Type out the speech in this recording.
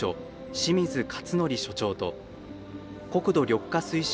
清水克典所長と国土緑化推進